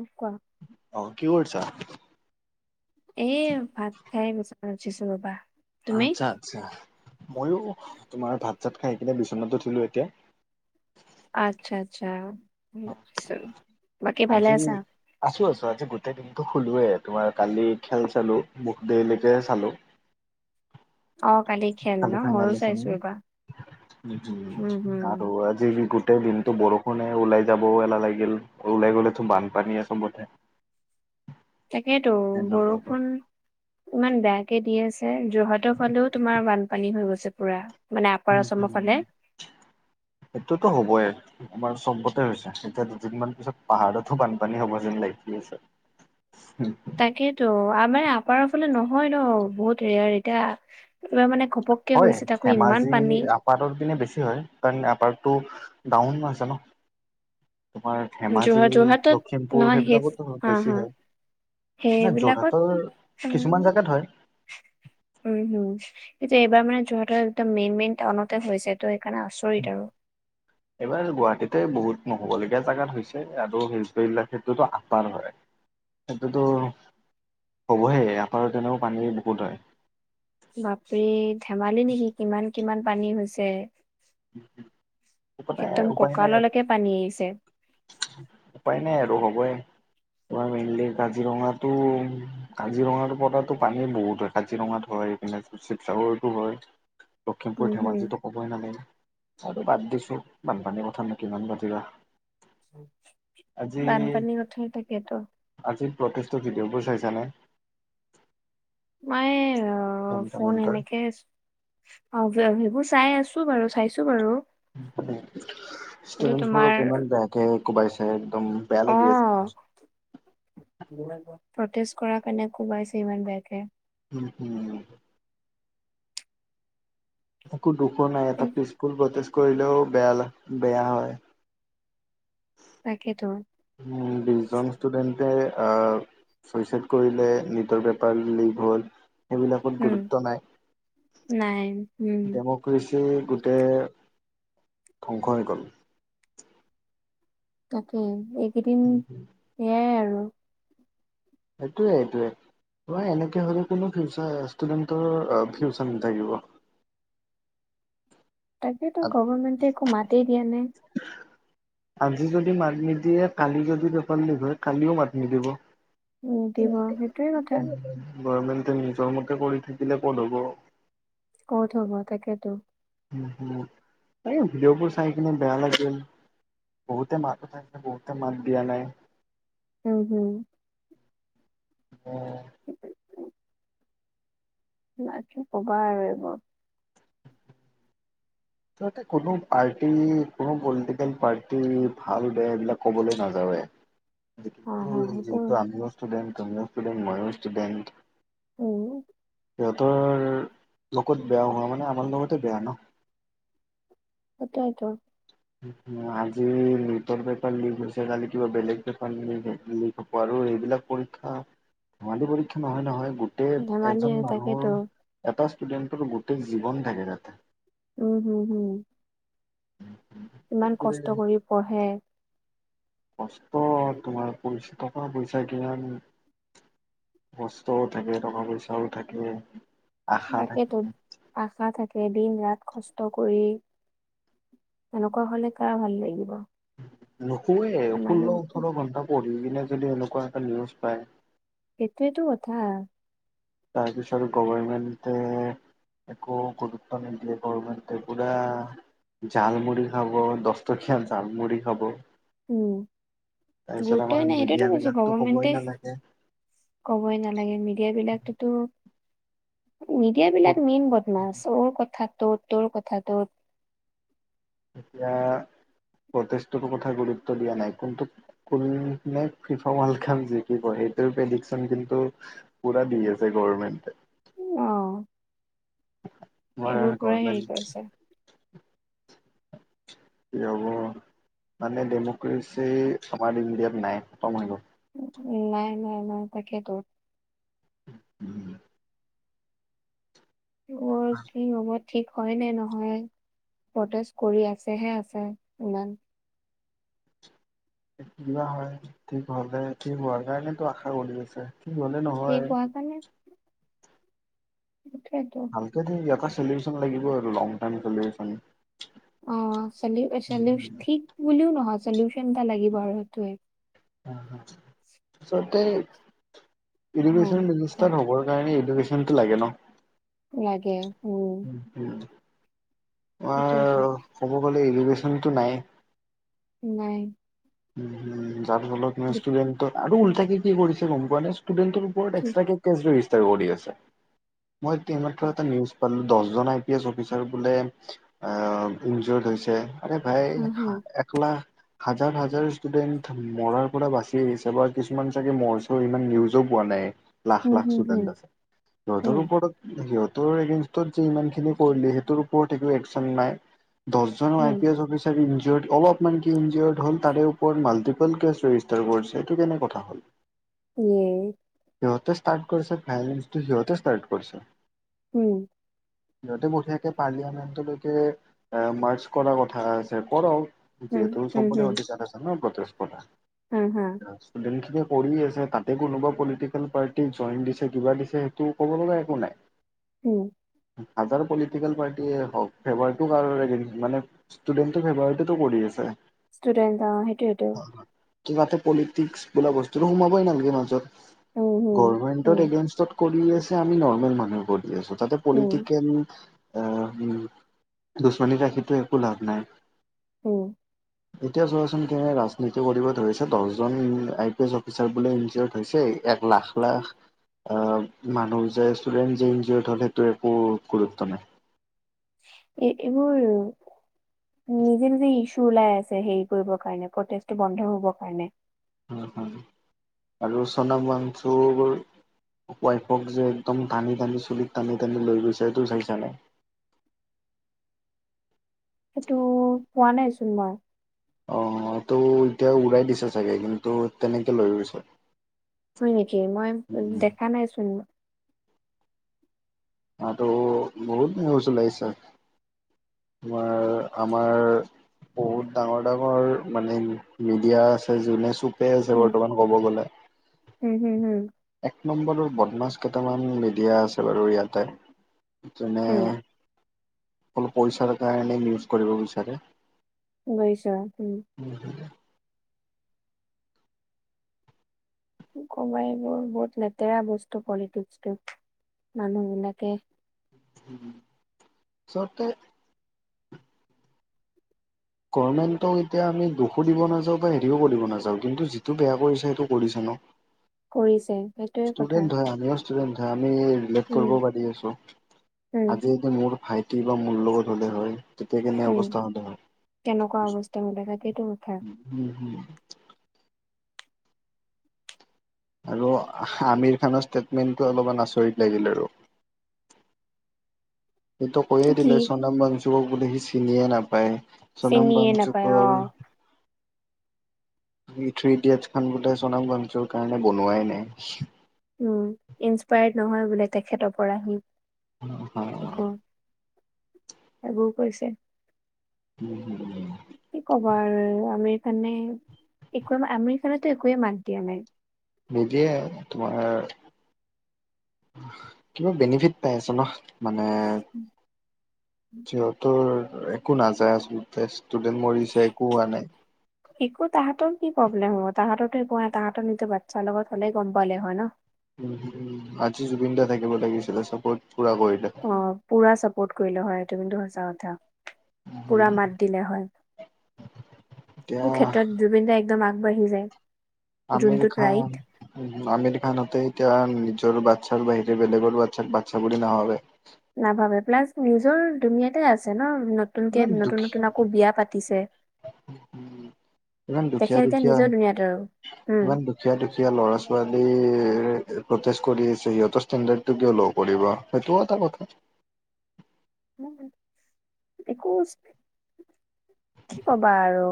অ কোৱা? অ কি কৰিছা? এই ভাত খাই বিচনাত উঠিছো ৰবা। তুমি আচ্ছা আচ্ছা, ময়ো তোমাৰ ভাত - চাত খাইকিনে বিচনাত উঠিলো এতিয়া। আচ্ছা আচ্ছা, বাকি ভালে আজি আছা? আছো আছো, আজি গোটেই দিনটো খুলোয়েই তোমাৰ কালি খেল চালো বহুত দেৰিলৈকে চালো। অ কালি খেল ন কালি ফাইনেল ময়ো আছিলে চাইছো ৰবা ন উম হম আৰু আজি গো টেই দিনটো বৰষুণে ওলাই যাব এলাহ লাগিল, ওলাই গ'লেটো বানপানী চবতে। তাকেইতো বৰষুণ ইমান বেয়াকে দি আছে, যোৰহাটৰ ফালেও তোমাৰ বানপানী হৈ গৈছে পুৰা। মানে আপাৰ উম আছামৰ উম। ফালে [inaudible] সেইটোতো হ'বই। তোমাৰ চব্বতে হৈছে এতিয়া দুদিনমান পিছত পাহাৰতো বানপানী হ'ব যেন লাগি আছে। উম। তাকেইতো, আমাৰ আপাৰৰ ফালে নহয় ন বহুত ৰেয়াৰ এতিয়া এইবাৰ মানে ঘপক কে হৈছে তাকো ইমান পানী। পাৰৰ পিনে বেছি হয় কাৰণ আপাৰটো ডাউন আছে ন। তোমাৰ ধেমাজি, যোৰহাট যোৰহাটত লখিমপুৰ নহয় সেই সেইবিলাকোটো হা বেছি হা হয়। ধৰা সেইবিলাকত যোৰহাটৰ উম কিছুমান জেগাত হয়। [inaudible] উম হুম কিন্তু এইবাৰ মানে যোৰহাটৰ একদম মেইন মেইন টাউনতে হৈছে ত সেইকাৰণে আচৰিত আৰু। [inaudible] এইবাৰ গুৱাহাটীতে বহুত নহ'বলগীয়া জেগাত হৈছে আৰু শিল্পীবিলাকেটোতো আটাৰ হয়। সেইটোতো হবহে আকৌ তেনেও পানী বহুত হয়। বাপৰে! ধেমালি নেকি কিমান কিমান পানী হৈছে? মানে একদম উপায় নাই আৰু কঁকাললৈকে পানী আহিছে। উপায় নাই আৰু হ'বই। তোমাৰ মেইনলি কাজিৰঙাটো, কাজিৰঙাৰ পৰাতো পানী বহুত হয়। কাজিৰঙাত হয় এইপিনে শিৱসাগৰটো হয় উম, লখিমপুৰ হম, ধেমাজিতো ক'বই নালাগে আৰু বাদ দিছো বানপানীৰ কথানো কিমান পাতিবা আজি বানপানী কথাই থাকেতো আজি প্ৰতেষ্টটো ভিডিঅ' বোৰ চাইছানে মই অ জন্তৰ ফোন মন্তৰ এনেক অ সেইবোৰ চাই আছো বাৰু চাইছো বাৰু কিন্তু তোমাৰ স্তোডেনবোৰক‌ ইমান বেয়াকে কুবাইছে একদম বেয়া লাগি আছে ম অ' প্ৰটেষ্ট কৰা কাৰণে কোবাইছে ইমান বেয়াকে উম হুম একো দুখো নাই এটা উম, পিচফুল বতেজ কৰিলেও বেয়া বেয়া হয় তাকেইতো বিশজন ষ্টুডেন্টে অ ছুইচাইড কৰিলে নীটৰ পেপাৰ লিক হ'ল সেইবিলাকত উম, গুৰুত্ব নাই নাই উম, কৰিচু গোটেই ধ্বংস হৈ গ'ল তাকেই এইকেইদিন এয়াই আৰু সেইটোৱে হেইটোৱে হয় এনেকে হলে ফিউচাৰ ষ্টুডেন্টৰ ফিউচাৰ নাথাকিব তাকেতো গভমেণ্টে একো মাতেই দিয়া নাই আজি যদি মাত নিদিয়ে কালি যদি পেপাৰ লিক হয় কালিও মাত নিদিব দিব সেইটোয়ে কথা গভমেন্টে নিজৰ মতে কৰি থাকিলে ক'ত হ'ব ক'ত হ'ব তাকেতো উম হুম তাক ভিডিঅ'বোৰ চাই কিনে বেয়া লাগিল বহুতে মাত উঠাইে বহুতে মাত দিয়া নাই উম হুম অ [unintelligible] বাকী‌ ক'বা আৰু এইবোৰ তহতে কোনো পাৰ্টি কোনো পলিটিকেল পাৰ্টি ভাল বেয়া এইবিলাক কবলৈ নাযাও [unintelligible] যিহেতু হা সেইটো যিহেতু আমিও ষ্টুডেট তুমিও ষ্টুডেট মইও ষ্টুডেট উম সিহতৰ লগত বেয়া হোৱা মানে আমাৰ লগতে বেয়া ন সেইতোয়েতো আজি নিটৰ পেপাৰ লিক হৈছে কালি কিবা বেলেগ পেপাৰ লিক হব আৰু এইবিলাক পৰীক্ষা ধেঙালী পৰীক্ষা নহয় নহয় গোটেই ধেমালি আৰু এজন তাকেতো মানুহৰ এটা ষ্টুডেন্টৰ গোটেই জীৱন থাকে তাতে উম হুম হুম ইমান সেইটোৱে কষ্ট কৰি পঢ়ে কষ্ট তোমাৰ পইচা টকা পইচা কিমান কষ্টও থাকে টকা পইচাও থাকে আশা তকেটো আশা থাকে দিন ৰাত কষ্ট কৰি এনেকুৱা হলে কাৰ ভাল লাগিব নকৰুৱে ষোল্ল মানুহ ওঠৰ ঘণ্টা পঢ়ি কিনে যদি এনেকুৱা এটা নিউজ পায় সেইটোৱে তো কথা তাৰপিছত গভৰমেণ্টে একো গুৰুত্ব নিদিলে গভৰমেণ্টে পুৰা জালমুড়ি খাব দহটকীয়া জালমুড়ি খাব উম তাৰপিছত আমাৰ গুৰূতই‌ নাই মিডিয়া এতিয়াটো কৈছো বিলাকতো ক'বই গভমেণ্টে নালাগে ক'বই নালাগে মিডিয়া বিলাকততো মিডিয়া ক'ত বিলাক মেইন বদমাছ অৰ কথা টৌত তোৰ কথা টৌত এতিয়া প্ৰেটেষ্টোৰ কথা গুৰুত্ব দিয়া নাই কোনটোক ফিফা ওৱেলকাপ যিকিবই সেইটোৰ প্ৰেডিকচন কিন্তু পুৰা দি আছে গৰমেণ্টে। অ আমাৰ সেইবোৰ পুৰা গভৰ্মেণ্ট হেৰি কৰিছে। অ কি হ'ব মানে ডেম'ক্ৰেচি আমাৰ ইণ্ডিয়াত নাই খতম হৈ গ'ল উ নাই নাই নাই তাকেইতো উম অ কি হব এতিয়া ঠিক হয় নে নহয় প্ৰটেষ্ট কৰি আছেহে আছে ইমান কিবা হয় ঠিক হলে ঠিক হোৱাৰ কাৰণেটো আশা কৰি আছে ঠিক হলে নহয় সেই কাৰণে মুঠেই তাকে টো ইয়াৰ পৰা চলুচন লাগিব আৰু লং টাইম চলিউচন। অ চলিও চলিও ঠিক বুলিও নহয় চলিউচন এটা লাগিব আৰু সেইটোৱে হয় হয় আচলতে অ ইডুকেচন কা- মিনিষ্টাৰ হব কাৰণে ইডুকেচন টো লাগে ন লাগে উম উ সেইটোৱেটো তোমাৰ ক'ব গ'লে ইডুগেশ্যনটো নাই নাই উম উম যাৰ ফলত ষ্টুডেণ্টক আৰু উল্টাকে কি কি কৰিছে গম পোৱা নে ষ্টুডেণ্টৰ ওপৰত কি এক্সত্ৰাকে কেচ ৰেজেচটাৰ কৰি আছে মই এইমাত্ৰ এটা নিউজ পালো দহজনাই কেচ অফিচাৰ বোলে আহ ইনজৰ্ড হৈছে আৰে আহ ভাই একলাখ হাজাৰ হাজাৰ ষ্টুডেন্ট মৰাৰ পৰা বাচি আহিছে বা কিছুমান চাগে মৰছেও ইমান নিউজো পোৱা নাই। লাখ হুম লাখ হুম হুম ষ্টুডেণ্ট আছে হুম মুঠৰ ওপৰত সিহঁতৰ এগেনষ্টত ইমানখিনি কৰিল সেইটোৰ ওপৰত একো একচন নাই। দহজন I hmm P S officer ইনজোৰ্ট অলপ মান কি ইনজোৰ্ট হল তাৰে ওপৰত মাল্টিপুল কেচ ৰেজিষ্টাৰ কৰি সেই টো কেনে কথা হ'ল উম সিহঁতে ষ্টাৰ্ট কৰিছে ফাইনেন্স টো সিহঁতে ষ্টাৰ্ট কৰিছে। উম সিহঁতে বঢ়িয়াকে পাৰ্লিয়ামেণ্ট লৈকে আহ মাৰছ কৰাৰ কথা আছে কৰক হুম যিহেতু হুম সবৰে অধিকাৰ আছে ন প্ৰোটেষ্ট কৰা হয় হয় ষ্টুডেন্ট খিনে কৰি আছে তাতে কোনোবা পলিটিকেল পাৰ্টিক জইন দিছে কিবা দিছে সেইটো ক'ব লগা একো নাই উম হাজাৰ পলিটিকেল পাৰ্টিয়ে ব্যৱহাৰটো ভাল মানে ষ্টুডেণ্টৰ ব্যৱহাৰ টো কৰি আছে ষ্টুডেণ্ট অ সেইটোৱে টো। হয় হয়। তাতে পলিটিক্স বোলা বস্তুটো সোমাবই নালাগে মাজত। উম, হম, গভৰমেণ্টৰ হম, এগেইনষ্টত কৰি আছে আমি নৰ্মেল মানুহ কৰি আছো তাতে হম, পলিটিকেল আহ উম দুচমানী ৰাখিটো একো লাভ নাই। উম। এতিয়া চোৱাচোন কেহে ৰাজনীতি কৰিব ধৰিছে দহ জন আই পি এছ অফিচাৰ বোলে ইঞ্জিয়ৰত হৈছে এক লাখ লাখ অ মানুহ যে ষ্টুডেন্ট জিন যে [unintelligible] সেইটো একো গুৰুত্ব নাই। এইবোৰ নিজে নিজে ইছু ওলাই আছে হেইত। কৰিব কাৰণে প্ৰেটেষ্ট টো বন্ধ হবৰ কাৰণে। হুম হুম আৰু চনাম ওৱাংচুৰ ৱাইফক যে একদম টানি টানি চুলিত টানি টানি লৈ গৈছে এইটো চাইছা নাই? সেইটো পোৱা নাই চোন মই। অ এটো এতিয়া উৰাই দিছ চাগে কিন্তু তেনেকে লৈ গৈছে। হয় নেকি মই উম দেখা নাইচোন। তাতো বহুত নিউজ ওলাইছে, তোমাৰ আমাৰ বহুত ডাঙৰ ডাঙৰ মানে মিডিয়া আছে যোনে চু তে আছে উম, বৰ্তমান ক'ব গলে। উম, হম, হম, এক নম্ববৰৰ বদমাছ কেইটামান মিডিয়া আছে বাৰু ইয়াতে, যোনে উম। অকল পইচাৰ কাৰণে নিউজ কৰিব বিচাৰে। বৈছা উম। উম হু কবাই এইবোৰ বহুত লেতেৰা বস্তু পলিটিক্সটো, মানুহ বিলাকে উম উম আচলতে গভৰ্মেণ্টক এতিয়া আমি দোষো দিব নাযাওঁ বা হেৰিও কৰিব নাযাওঁ কিন্তু যিটো বেয়া কৰিছে হেইটো কৰিছে ন। কৰিছে সেইটো। ষ্টুডেন্ট ধৰা আমিও ষ্টুডেন্ট হয় আমি ৰিলেট উম, কৰিব পাৰি আছো। উম, আজি মোৰ ভাইটি বা মোৰ লগত হ'লে হয় তেতিয়া কেনে উম, অৱস্থা হ'লে কেনেকুৱা হয়, অৱস্থা হৈ থাকে সেইটো কথা উম উম। আৰু আমিৰ খানৰ ষ্টেটমেণ্টটো অলপমান আচৰিত লাগিল আৰু। সিটো কৈয়ে কি দিলে চনাম ওয়াংচুক বুলি সি চিনিয়ে নাপায়। চনম চিনিয়ে না পায় বঞ্চুকৰ অ। মি থ্ৰী ইডিয়েটচ খন বোলো চনাম ওয়াংচুকৰ কাৰণে বনোৱাই নাই। উম ইনচপায়াৰ্ড নহয় বোলে তেখেতৰ পৰা হী একো। এইবোৰ কৈছে। উম হুম উ কি ক'বা আৰু আমিৰ খানে একো আমিৰ খানেতো একোয়ে মাত দিয়া নাই। নিদিয়ে তোমাৰ কিবা বেনিফিট পাই আছে ন। মানে সিহতৰ দৰে একো নাযায় আচলতে ষ্টুডেণ্ট মৰিছে একো হোৱা নাই। [inaudible] একো তাহাঁতৰ কি প্ৰব্লেম হ'ব তাহততো একো হোৱা নাই তাহাঁতৰ নিজৰ বাচ্ছাৰ লগত হ'লেই গম পালে হয় ন। উম হ'ম আজি জুবিন দা থাকিব লাগিছিলে চাপৰ্ট পুৰা কৰিলে। অ পুৰা চাপৰ্ট কৰিলে হয় এইটো কিন্তু সচা কথা। পুৰা মাত দিলে হয় এতিয়া এইবোৰ ক্ষেত্ৰত জুবিনদাই একদম আগবাঢ়ি যায়। আমিৰ যোনটোত ৰাইট। খান। আমিৰ খানহতে এতিয়া নিজৰ বাচ্ছাৰ বাহিৰে বেলেগৰ বাচ্ছাক বাচ্ছা বুলি নাভাবে। নাভাবে প্লাছ নিজৰ দুুনীয়াতে আছে ন। নতুনকে ইমান নতুন দুখী নতুন আকৌ বিয়া পাতিছে। ইমান দুখীয়া তেখেত এতিয়া দুখীয়া নিজৰ দুনীয়াত আৰু উম। ইমান দুখীয়া দুখীয়া ল'ৰা ছোৱালীৰ প্ৰতেষ্ট কৰি আছে সিহঁতৰ ইষ্টেন্দৰ্টটো কিয় ল' কৰিব। সেইটো এটা কথা। একো কি কবা আৰু।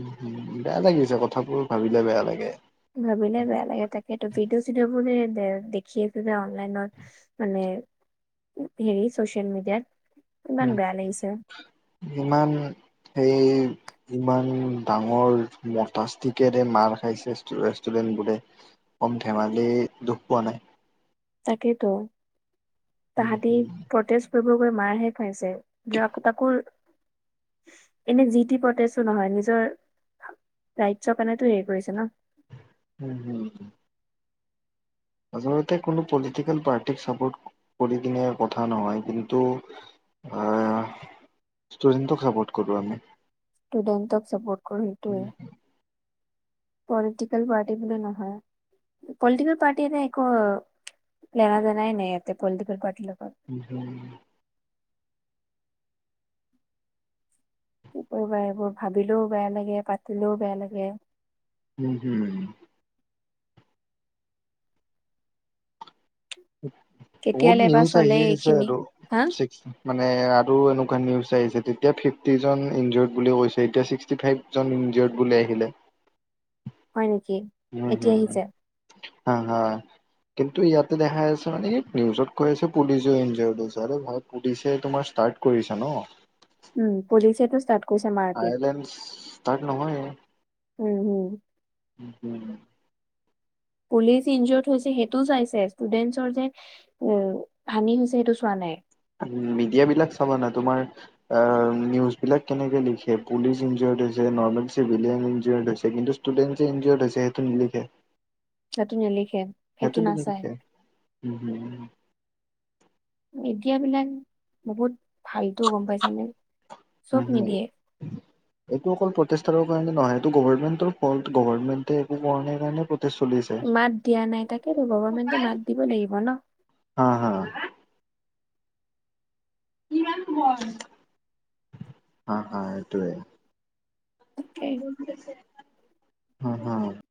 উ হম বেয়া লাগিছে কথাবোৰ ভাবিলে বেয়া লাগে। ভাবিলে বেয়া লাগে তা। সেইটো ভিডিঅ চিডিঅ' বো দেখি আছিলে অনলাইনত মানে। হেৰি চচিয়েল মিডিয়াত। ইমান উম বেয়া লাগিছে ইমান সেই। ইমান ডাঙৰ মতাচতিকেৰে মাৰ খাইছে মতেষ্ট ৰেষ্টুৰেণ্ট বোৰে। কম ধেমালি দুখ পোৱা নাই। তাকেতো উম তাহাঁতি হম প্ৰতেষ্ট। কৰিব গৈ মাৰহে খাইছে য আকৌ তাকো। এনে জি টি পটেছো নহয় নিজৰ ৰাজ্যৰ কাৰণো হেৰি কৰিছে ন। উম উম। আচলতে কোনো পলিটিকেল পাৰ্টিক চাপোৰ্ট কৰি কিনে কথা নহয় কিন্তু। আহ ষ্টুডেণ্টক চাপৰ্ট কৰো আমি ষ্টুডেণ্টক চাপৰ্ট কৰ সেইটোৱে। পলিটিকেল পাৰ্টি বুলি নহয় পলিটিকেল পাৰ্টি এ ন একো। লেনা য নাই নাই এয়া পলিটিকেল পাৰ্টি লগত। হুম। কি কৰিবা এইবোৰ ভাবিলেও বেয়া লাগে পাতিলেও বেয়া লাগে। উম উম। বহুত কেতিয়ালে বা নিউজ চলে আহি আছে এইখিনি আৰু। হা মানে আৰু এনেকুৱা নিউজ আহিছে তেতিয়া ফিফটি জন ইঞ্জৰ্ত বুলি কৈছে এতিয়া ছিক্সটি ফাইভ। ইজড বুলি আহিলে। হয় নেকি। উম এতিয়া হম আহিছে হা হা। কিন্তু ইয়াতে দেখা আছে মানে নিউজত কৈ আছে পুলিচে ইঞ্জৰত হৈ আছে। পুলিচে তোমাৰ ষ্টাৰ্ট কৰিছা ন। উম পুলিচেটো ষ্টাৰ্। আয়ৰলেনব তাত নহয়। উম উম। উম উম। পুলিচ ইনজৰ্ড হৈছে সেইটো চাইছে ষ্টুডেন্টচৰ যেন। অ হানি হৈছে সেইটো চোৱা নাই। মিডিয়া বিলাক চাবা না তোমাৰ। অঁ নিউজ বিলাক কেনেকে দিছে পলিছ ইনজৰ্ড হৈছে নৰ্মেল চিভিলিৱন ইনজৰ্ড হৈছে কিন্তু। ইষ্টুডেন্ট যে ইনজৰ্ড হৈছে সেইটো নিলিখে তাটো নেলিখে সেইটো নাচায়। উম হুম মেডিয়া বিলাক বহুত ভালতটোও গম পাইছানে চব হুম নিদিয়ে এইটো অকল প্ৰতিষ্টাৰ কাৰণে নহয় এইটো গভমেন্টৰ ফল্ট গভৰ্মেট একো কাৰণে প্ৰটেষ্ট চলিছে মাত দিয়া নাই তাকেতো গভমেণ্টে মাত দিব লাগিব ন। অঁ অঁ! কিমান সময় অঁ অঁ এইটোৱে। তাকেই হো হো